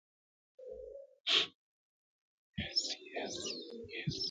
The first equation is the Lorenz gauge condition while the second contains Maxwell's equations.